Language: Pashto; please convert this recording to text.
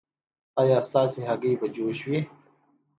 ایا ستاسو هګۍ به جوش وي؟